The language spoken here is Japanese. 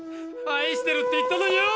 愛してるって言ったのによ！